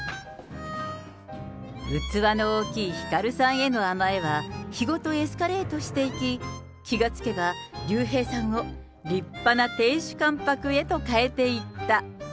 器の大きいひかるさんへの甘えは、日ごと、エスカレートしていき、気が付けば竜兵さんを立派な亭主関白へと変えていった。